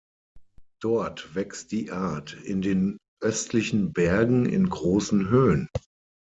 Dort wächst die Art in den östlichen Bergen in großen Höhen.